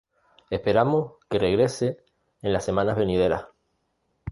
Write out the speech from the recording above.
Esperamos que regrese en las semanas venideras".